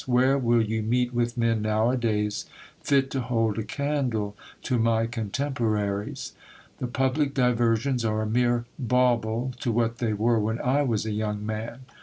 where will you meet with men now a days, fit to hold a candle to my contemporaries ? The public diversions are a mere bauble, to what they were when I was a young man.